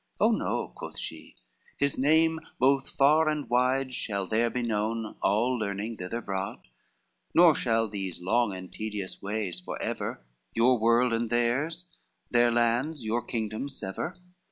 "Oh no," quoth she, "his name both far and wide Shall there be known, all learning thither brought, Nor shall these long and tedious ways forever Your world and theirs, their lands, your kingdoms sever.